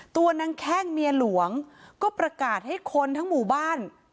ตัวนางแข้งเมียหลวงก็ประกาศให้คนทั้งหมู่บ้าน